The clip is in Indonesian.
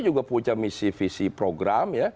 juga punya misi misi program